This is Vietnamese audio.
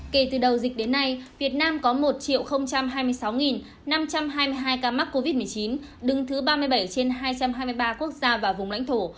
kể từ đầu dịch đến nay việt nam có một hai mươi sáu năm trăm hai mươi hai ca mắc covid một mươi chín đứng thứ ba mươi bảy trên hai trăm hai mươi ba quốc gia và vùng lãnh thổ